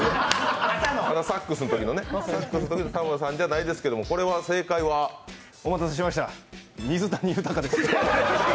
サックスのときのタモリさんじゃないですけど、これは正解はお待たせしました、水谷豊です。